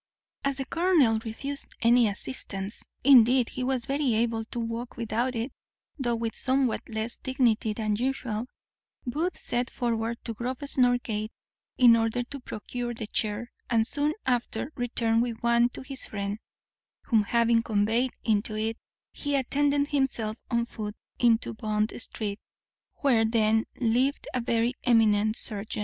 As the colonel refused any assistance (indeed he was very able to walk without it, though with somewhat less dignity than usual), Booth set forward to Grosvenor gate, in order to procure the chair, and soon after returned with one to his friend; whom having conveyed into it, he attended himself on foot into Bond street, where then lived a very eminent surgeon.